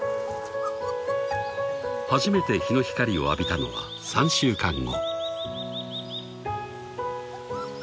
［初めて日の光を浴びたのは３週間後］